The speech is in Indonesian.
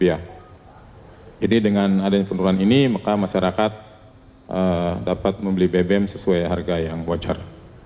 jadi dengan adanya penurunan ini maka masyarakat dapat membeli bbm sesuai harga yang wajar